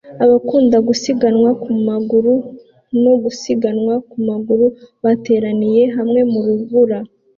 Abakunda gusiganwa ku maguru no gusiganwa ku maguru bateranira hamwe mu rubura